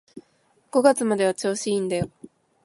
五月までは調子いいんだよ